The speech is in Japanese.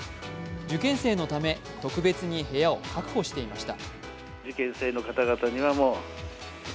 受験生のため、特別に部屋を確保していました。